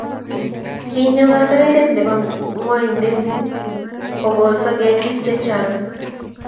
Kinyo kandoindet nebo ngwaidet kokolso ketik chechang